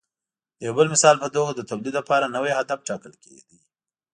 د یو بل مثال په توګه د تولید لپاره نوی هدف ټاکل کېده